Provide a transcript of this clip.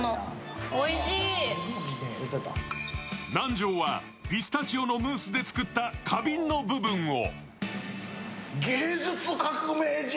南條はピスタチオのムースで作った花瓶の部分を。